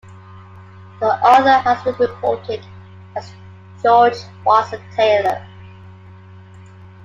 The author has been reported as George Watson-Taylor.